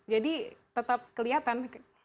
jadi tetap kelihatan